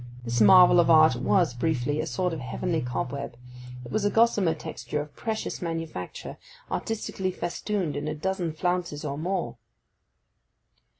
This marvel of art was, briefly, a sort of heavenly cobweb. It was a gossamer texture of precious manufacture, artistically festooned in a dozen flounces or more.